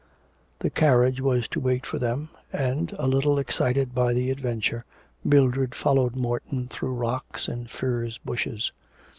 The carriage was to wait for them, and, a little excited by the adventure, Mildred followed Morton through rocks and furze bushes.